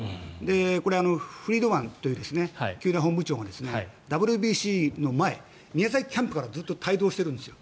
これ、フリードマンという球団本部長がＷＢＣの前宮崎キャンプからずっと帯同しているんですよ。